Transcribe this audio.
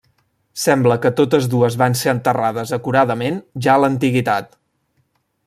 Sembla que totes dues van ser enterrades acuradament ja a l'antiguitat.